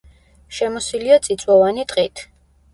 შემოსილია წიწვოვანი ტყით.